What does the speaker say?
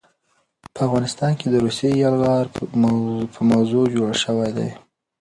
په افغانستان د روسي يلغار په موضوع جوړ شوے دے